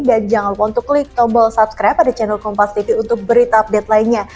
dan jangan lupa untuk klik tombol subscribe pada channel kompas tv untuk berita update lainnya